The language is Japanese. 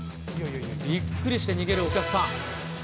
びっくりして逃げるお客さん。